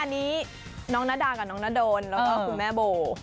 อันนี้น้องนาดากับน้องนาดนแล้วก็คุณแม่โบ